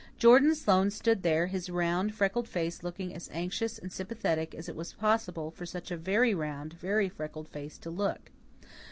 Jordan Sloane stood there, his round, freckled face looking as anxious and sympathetic as it was possible for such a very round, very freckled face to look.